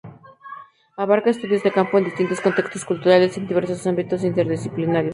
Abarca estudios de campo en distintos contextos culturales y en diversos ámbitos interdisciplinarios.